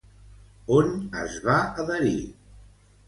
On es va adherir?